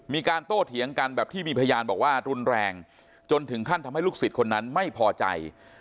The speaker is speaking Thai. โต้เถียงกันแบบที่มีพยานบอกว่ารุนแรงจนถึงขั้นทำให้ลูกศิษย์คนนั้นไม่พอใจ